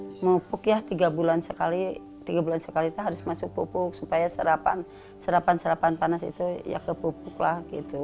harus pupuk ya tiga bulan sekali tiga bulan sekali itu harus masuk pupuk supaya serapan serapan panas itu ya ke pupuk lah gitu